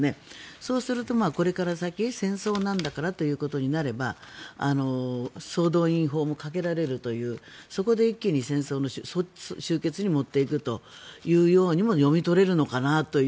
そうするとこれから先戦争なんだからということになれば総動員法もかけられるというそこで一気に戦争終結に持っていくというようにも読み取れるのかなという。